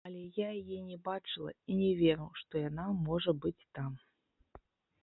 Але я яе не бачыла і не веру, што яна можа быць там.